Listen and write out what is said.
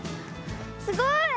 すごい。